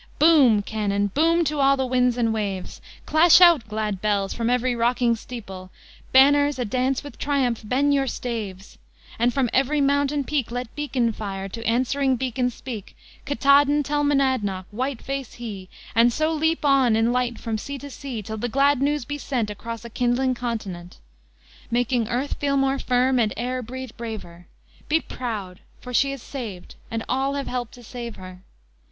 Boom, cannon, boom to all the winds and waves! Clash out, glad bells, from every rocking steeple! Banners, a dance with triumph, bend your staves! And from every mountain peak Let beacon fire to answering beacon speak, Katahdin tell Monadnock, Whiteface he, And so leap on in light from sea to sea, Till the glad news be sent Across a kindling continent, Making earth feel more firm and air breathe braver: "Be proud! for she is saved, and all have helped to save her!